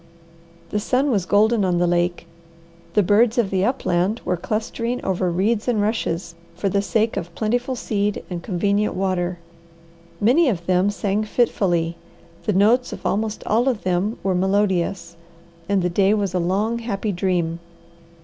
The sun was golden on the lake, the birds of the upland were clustering over reeds and rushes, for the sake of plentiful seed and convenient water. Many of them sang fitfully, the notes of almost all of them were melodious, and the day was a long, happy dream.